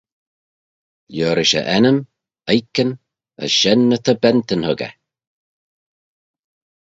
Liorish e enmyn, oikyn as shen ny ta bentyn huggey.